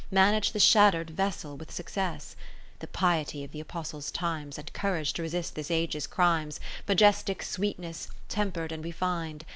Manage the shatter'd vessel with success. The Piety of the Apostles' times And Courage to resist this Age's crimes ; Majestic sweetness, temper'd and refin'd.